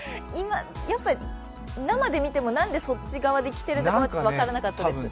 やっぱ生で見ても、なんでそっち側で着てるのか分からないんですけど。